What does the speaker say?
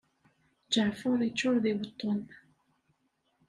Ǧeɛfer yeččur d iweṭṭen.